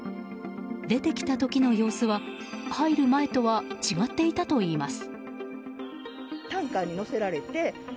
出てきた時の様子は、入る前とは違っていたといいます。